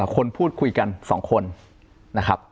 คนพูดคุยกัน๒คนนะครับ